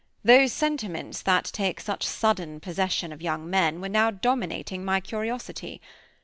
Those sentiments that take such sudden possession of young men were now dominating my curiosity.